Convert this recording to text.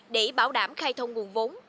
để bảo đảm khai thông nguồn vốn